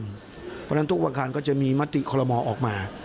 เพราะฉะนั้นทุกอังคารก็จะมีมติคอลโมออกมา